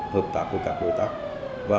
hợp tác của các đối tác và